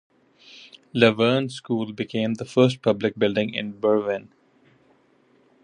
LaVergne School became the first public building in Berwyn.